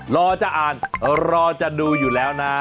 รอจะอ่านรอจะดูอยู่แล้วนะ